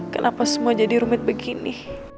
kenapa semua jadi rumit begini